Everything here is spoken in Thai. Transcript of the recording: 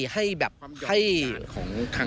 ให้แบบให้โอ้